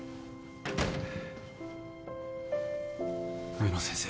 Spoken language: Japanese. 植野先生